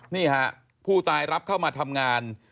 นี่ฮะผู้ตายรับเข้ามาทำงาน